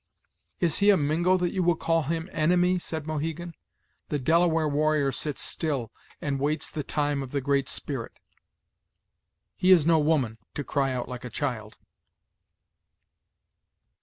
"Is he a Mingo, that you will call him enemy?" said Mohegan. "The Delaware warrior sits still, and waits the time of the Great Spirit. He is no woman, to cry out like a child."